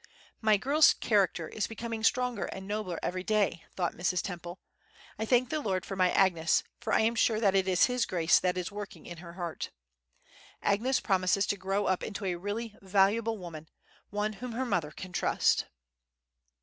"My girl's character is becoming stronger and nobler every day," thought Mrs. Temple; "I thank the Lord for my Agnes, for I am sure that it is His grace that is working in her heart. Agnes promises to grow up into a really valuable woman, one whom her mother can trust."